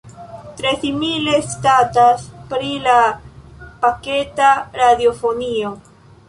Tre simile statas pri la paketa radiofonio.